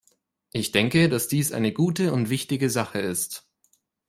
Ich denke, dass dies eine gute und wichtige Sache ist.